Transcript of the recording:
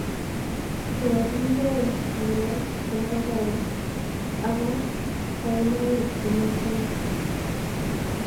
kiwolchinigei ngalek chemagororon ago kainaik chemachame